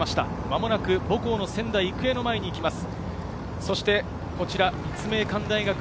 間もなく母校・仙台育英の前に行きます。